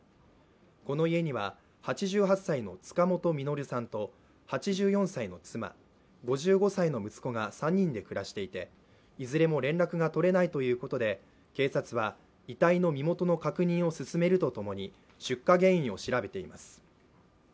この家には、８８歳の塚本実さんと、８４歳の妻、５５歳の息子が３人で暮らしていて、いずれも連絡が取れないということで警察は遺体の身元の確認を進めるとともに出火原因を調べています。